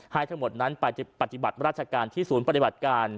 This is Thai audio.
ทั้งหมดนั้นไปปฏิบัติราชการที่ศูนย์ปฏิบัติการ